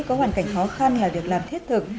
có hoàn cảnh khó khăn là việc làm thiết thực